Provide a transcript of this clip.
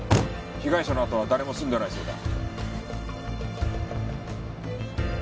被害者のあとは誰も住んでないそうだ。